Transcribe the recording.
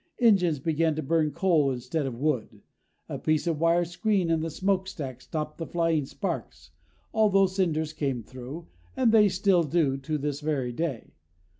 Engines began to burn coal instead of wood. A piece of wire screen in the smokestack stopped the flying sparks, although cinders came through and they still do to this very day.